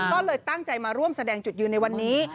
ก็เลยตั้งใจมาร่วมแสดงจุดยืนในวันนี้